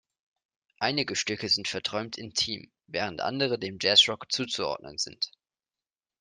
Einige Stücke sind verträumt-intim, während andere dem Jazzrock zuzuordnen sind.